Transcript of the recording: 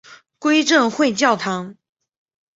归正会教堂。